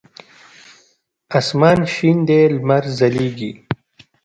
اسمان شین دی لمر ځلیږی